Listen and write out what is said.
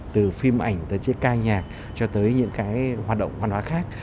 từ phim ảnh tới chiếc ca nhạc cho tới những cái hoạt động văn hóa khác